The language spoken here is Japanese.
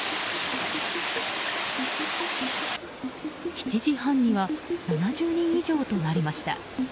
７時半には７０人以上となりました。